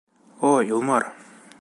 О Илмар!